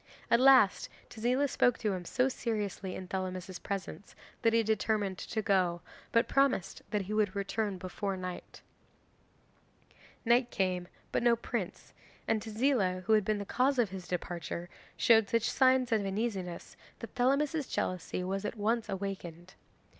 At last Tezila spoke to him so seriously in Thelamis's presence, that he determined to go, but promised that he would return before night. 'Night came but no prince, and Tezila, who had been the cause of his departure, showed such signs of uneasiness that Thelamis's jealousy was at once awakened.